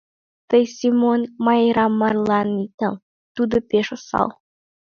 Тый Семон Майрам марлан ит нал: тудо пеш осал...